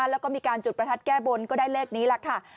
แล้วก็มีการจุดประทัดแก้บนก็ได้เลขนี้แหละค่ะ